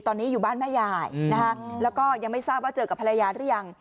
ตอนนี้อยู่บ้านแม่ยายนะคะแล้วก็ยังไม่ทราบว่าเจอกับภรรยาหรือยัง